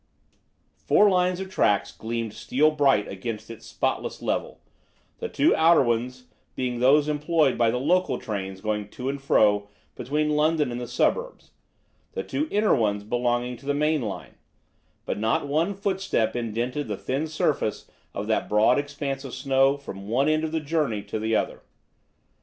Four lines of tracks gleamed steel bright against its spotless level the two outer ones being those employed by the local trains going to and fro between London and the suburbs, the two inner ones belonging to the main line but not one footstep indented the thin surface of that broad expanse of snow from one end of the journey to the other.